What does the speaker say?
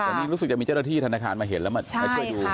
แต่นี่รู้สึกจะมีเจ้าหน้าที่ธนาคารมาเห็นแล้วมาช่วยดู